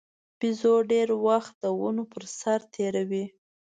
بیزو ډېر وخت د ونو پر سر تېروي.